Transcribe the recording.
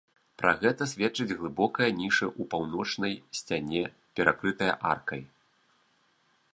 Пра гэта сведчыць глыбокая ніша ў паўночнай сцяне, перакрытая аркай.